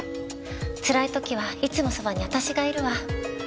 つらい時はいつもそばに私がいるわ。